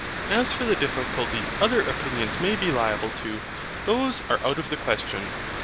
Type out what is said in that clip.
As for the difficulties other opinions may be liable to, those are out of the question.